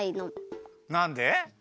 なんで？